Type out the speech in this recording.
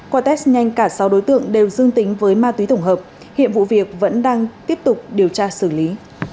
qua test nhanh cả sáu đối tượng đều dương tính với ma túy tổng hợp hiện vụ việc vẫn đang tiếp tục điều tra xử lý